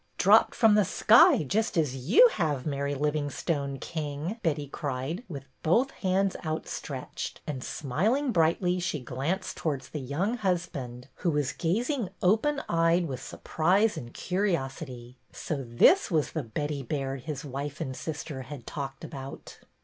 Dropped from the sky, just as you have, Mary Livingstone King," Betty cried, with both hands outstretched, and, smiling brightly, she glanced towards the young husband, who was gazing open eyed with surprise and curiosity. So this was the Betty Baird his wife and sister had talked about